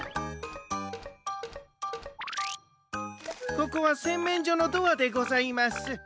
ここはせんめんじょのドアでございます。